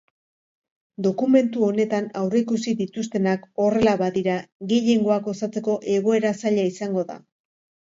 Dokumentu honetan aurreikusi dituztenak horrela badira, gehiengoak osatzeko egoera zaila izango da.